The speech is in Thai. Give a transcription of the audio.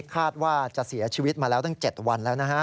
คาดว่าจะเสียชีวิตมาแล้วตั้ง๗วันแล้วนะฮะ